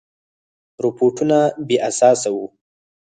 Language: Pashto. رپوټونه بې اساسه وه.